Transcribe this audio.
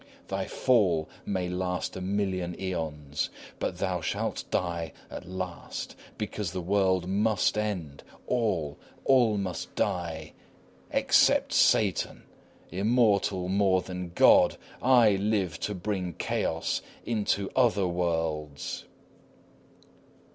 Thy fall may last a million aeons, but thou shalt die at last. Because the world must end; all, all must die, except Satan! Immortal more than God! I live to bring chaos into other worlds!